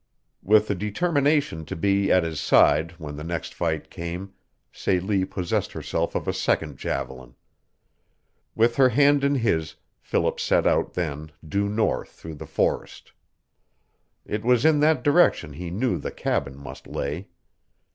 With the determination to be at his side when the next fight came Celie possessed herself of a second javelin. With her hand in his Philip set out then due north through the forest. It was in that direction he knew the cabin must lay.